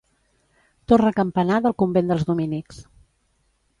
Torre Campanar del convent dels Dominics.